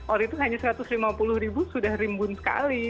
or itu hanya rp satu ratus lima puluh sudah rimbun sekali